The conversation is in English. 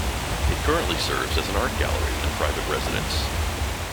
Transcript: It currently serves as an art gallery and private residence.